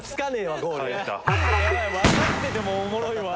わかっててもおもろいわ。